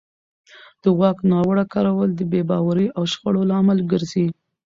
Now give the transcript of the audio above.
د واک ناوړه کارول د بې باورۍ او شخړو لامل ګرځي